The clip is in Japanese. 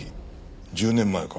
１０年前か。